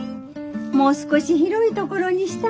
もう少し広いところにしたら？